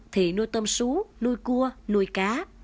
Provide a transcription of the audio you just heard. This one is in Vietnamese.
thì nuôi tôm xú nuôi cua nuôi cá